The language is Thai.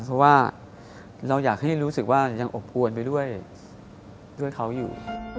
เพราะว่าเราอยากให้รู้สึกว่ายังอบอวนไปด้วยเขาอยู่